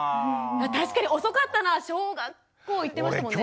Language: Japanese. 確かに遅かったな小学校行ってましたもんね。